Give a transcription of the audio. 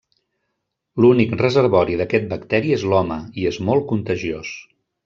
L'únic reservori d'aquest bacteri és l'home, i és molt contagiós.